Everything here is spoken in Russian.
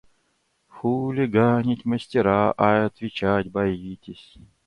– Хулиганить мастера, а отвечать боитесь!